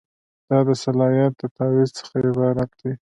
دا د صلاحیت د تعویض څخه عبارت دی.